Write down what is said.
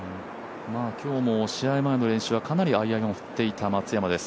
今日も試合前の練習はかなりアイアンを振っていた松山です。